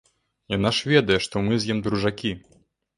Яна ж ведае, што мы з ім дружакі.